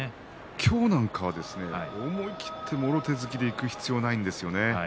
今日なんかは思い切ってもろ手突きでいく必要はないんですよ。